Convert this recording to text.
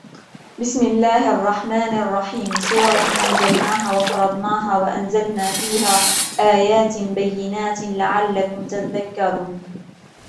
بسم الله الرحمن الرحيم سورة أنزلناها وفرضناها وأنزلنا فيها آيات بينات لعلكم تذكرون